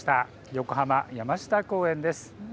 横浜、山下公園です。